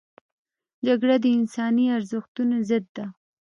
جګړه د انساني ارزښتونو ضد ده